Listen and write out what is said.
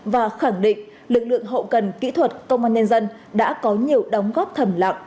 và khẳng định lực lượng hậu cần kỹ thuật công an nhân dân đã có nhiều đóng góp thầm lặng